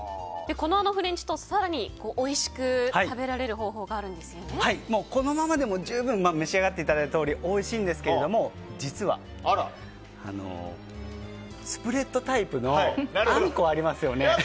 このフレンチトースト更においしく食べられる方法がこのままでも十分召し上がっていただいたとおりおいしいんですけども実は、スプレッドタイプのあんこ、ありますよね。